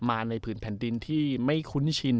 มาในผืนแผ่นดินที่ไม่คุ้นชิน